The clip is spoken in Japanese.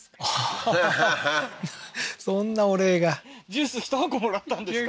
そんなお礼がジュース１箱もらったんですか？